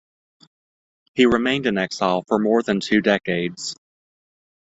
He remained in exile for more than two decades.